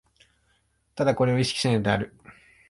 唯これを意識しないのである。